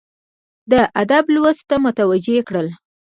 د ادب لوست ته متوجه کړل،